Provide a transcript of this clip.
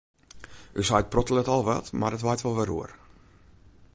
Us heit prottelet al wat, mar dat waait wol wer oer.